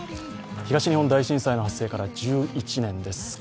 東日本大震災の発生から１１年です。